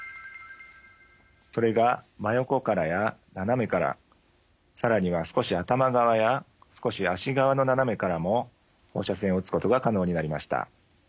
それが真横からや斜めから更には少し頭側や少し脚側の斜めからも放射線をうつことが可能になりました。